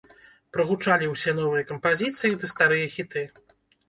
Прагучалі ўсе новыя кампазіцыя ды старыя хіты.